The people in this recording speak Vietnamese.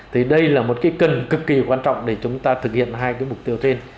thì đây là một cái cần cực kỳ quan trọng để chúng ta thực hiện hai cái mục tiêu trên